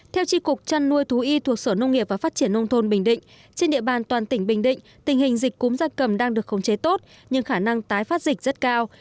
theo tri cục trăn nuôi thú y thuộc sở nông nghiệp và phát triển nông thôn bình định trên địa bàn toàn tỉnh bình định tình hình dịch cúm gia cầm đang được khống chế tốt nhưng khả năng tái phát dịch rất cao